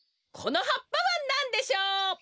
このはっぱはなんでしょう？